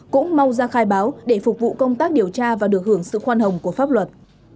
cũng mau ra khai báo để phục vụ công tác điều tra và được hưởng sự khoan hồng của pháp luật